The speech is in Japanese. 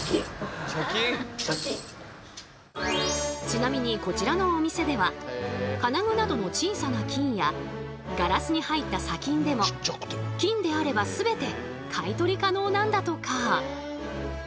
ちなみにこちらのお店では金具などの小さな金やガラスに入った砂金でも金であれば全て買い取り可能なんだとか。